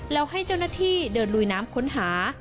แล้วให้เจ้าหน้าที่เดินลุยน้ำค้นหา